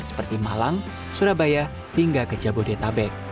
seperti malang surabaya hingga ke jabodetabek